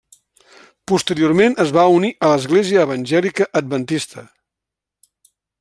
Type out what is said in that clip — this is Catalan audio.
Posteriorment es va unir a l'Església Evangèlica Adventista.